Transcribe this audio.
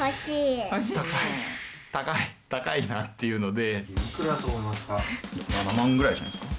高いなっていうので。